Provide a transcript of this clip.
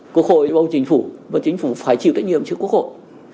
quốc hội bầu chính phủ và chính phủ phải chịu trách nhiệm trước quốc hội